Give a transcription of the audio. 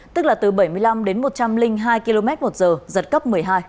tức là từ bảy mươi năm đến một trăm linh hai km một giờ giật cấp một mươi hai